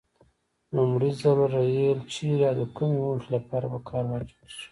لومړي ځل ریل چیري او د کومې موخې لپاره په کار واچول شو؟